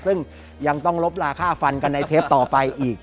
ซึ่งยังต้องลบลาค่าฟันกันในเทปต่อไปอีก